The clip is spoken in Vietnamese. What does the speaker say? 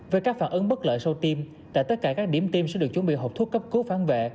với các phản ứng bất lợi sau tiêm tại tất cả các điểm tiêm sẽ được chuẩn bị hộp thuốc cấp cứu phán vệ